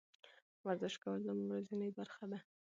ورزش کول زما ورځنۍ برخه ده.